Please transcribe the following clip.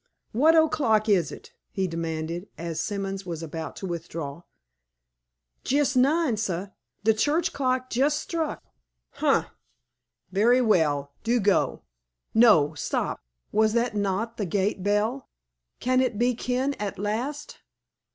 "What o'clock is it?" he demanded, as Simons was about to withdraw. "Jes' nine, sah. De church clock jes' struck." "Humph! Very well; do go. No stop! was not that the gate bell? Can it be Ken at last?